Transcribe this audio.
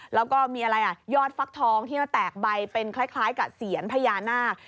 แล้วก็มีอะไรอ่ะยอดฟักทองที่มันแตกใบเป็นคล้ายกับเสียญพญานาค